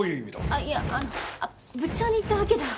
あっいやあの部長に言ったわけでは。